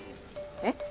えっ？